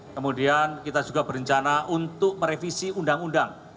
kemudian kita juga berencana untuk merevisi undang undang